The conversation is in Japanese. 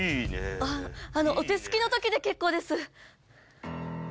あのお手すきの時で結構です。